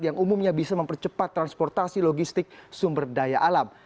yang umumnya bisa mempercepat transportasi logistik sumber daya alam